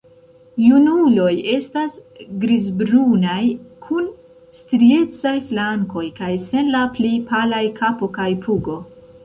Junuloj estas grizbrunaj kun striecaj flankoj kaj sen la pli palaj kapo kaj pugo.